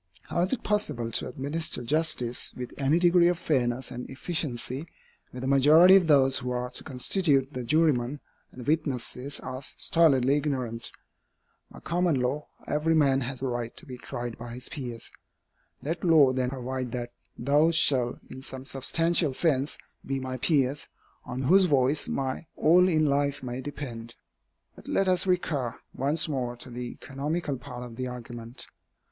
How is it possible to administer justice with any degree of fairness and efficiency, where the majority of those who are to constitute the jurymen and the witnesses are stolidly ignorant? By common law, every man has a right to be tried by his peers. Let law then provide that those shall, in some substantial sense, be my peers, on whose voice my all in life may depend. But let us recur once more to the economical part of the argument.